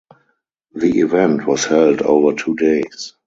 The event was held over two days.